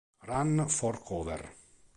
Run for Cover